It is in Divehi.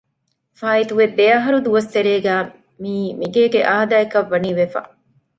ފާއިތުވި ދެއަހަރު ދުވަސް ތެރޭގައި މިއީ މިގޭގެ އާދައަކަށް ވަނީ ވެފަ